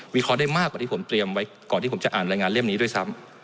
เคราะห์ได้มากกว่าที่ผมเตรียมไว้ก่อนที่ผมจะอ่านรายงานเล่มนี้ด้วยซ้ำ